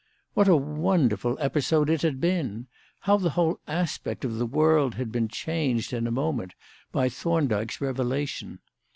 What a wonderful episode it had been! How the whole aspect of the world had been changed in a moment by Thorndyke's revelation!